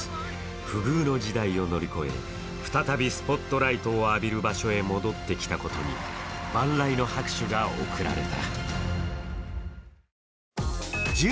不遇の時代を乗り越え、再びスポットライトを浴びる場所へ戻ってきたことに万雷の拍手が贈られた。